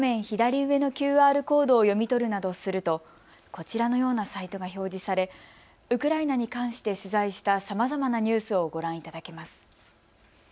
左上のＱＲコードを読み取るなどするとこちらのようなサイトが表示されウクライナに関して取材したさまざまなニュースをご覧いただけます。